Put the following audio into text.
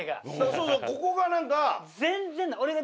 そうそうここが何か。